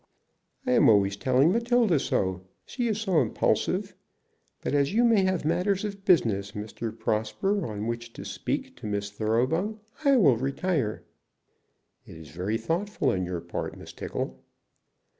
"I am always telling Matilda so. She is so impulsive. But as you may have matters of business, Mr. Prosper, on which to speak to Miss Thoroughbung, I will retire." "It is very thoughtful on your part, Miss Tickle."